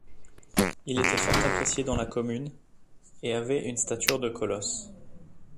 Il était fort apprécié dans la commune et avait une stature de colosse.